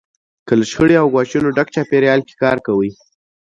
که له شخړې او ګواښونو ډک چاپېریال کې کار کوئ.